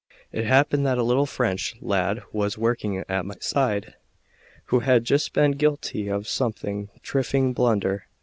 It happened that a little French lad was working at my side, who had just been guilty of some trifling blunder.